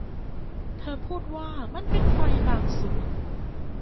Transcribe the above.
เธอพูดว่ามันเป็นไฟบางส่วน